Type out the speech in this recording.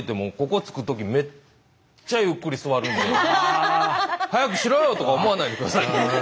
はやくしろよ！とか思わないで下さいね。